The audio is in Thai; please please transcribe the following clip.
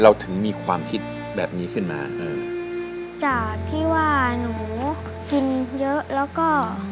หนูต้องใช้ไปโรงเรียนด้วยค่ะ